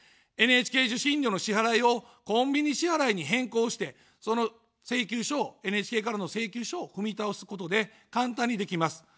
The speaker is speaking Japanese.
ＮＨＫ受信料の支払いをコンビニ支払いに変更して、その請求書を、ＮＨＫからの請求書を踏み倒すことで簡単にできます。